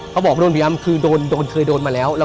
เขาบอกว่าเคยโดนมาแล้ว